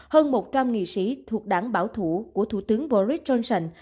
hơn một trăm linh nghị sĩ thuộc đảng bảo thủ của thủ tướng boris johnson